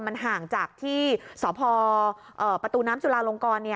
มันห่างจากที่สพประตูน้ำจุลาลงกร